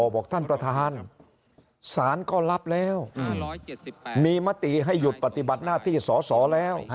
บอกท่านประธานศาลก็รับแล้วมีมติให้หยุดปฏิบัติหน้าที่สอสอแล้ว